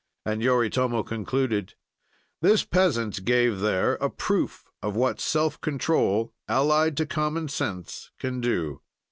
And Yoritomo concluded: "This peasant gave there a proof of what self control allied to common sense can do.